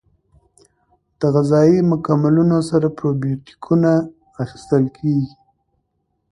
د غذایي مکملونو سره پروبیوتیکونه اخیستل کیږي.